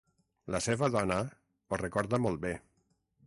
La seva dona ho recorda molt bé.